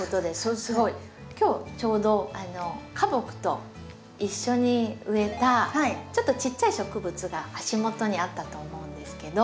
すごい。今日ちょうど花木と一緒に植えたちょっとちっちゃい植物が足元にあったと思うんですけど。